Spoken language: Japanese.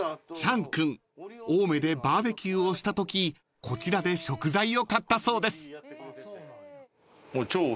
［チャン君青梅でバーベキューをしたときこちらで食材を買ったそうです］